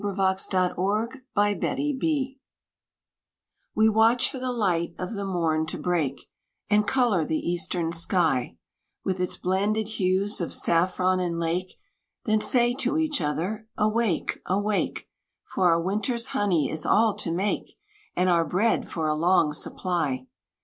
=Song of the Bees= We watch for the light of the morn to break, And color the eastern sky With its blended hues of saffron and lake; Then say to each other, "Awake! awake! For our winter's honey is all to make, And our bread for a long supply!"